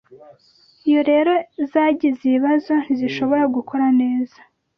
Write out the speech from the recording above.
iyo rero zagize ibibazo ntizishobore gukora neza